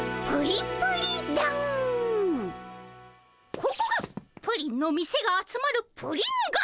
ここがプリンの店が集まるプリンがい。